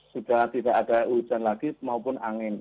sudah tidak ada hujan lagi maupun angin